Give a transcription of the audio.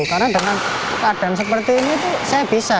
karena dengan keadaan seperti ini saya bisa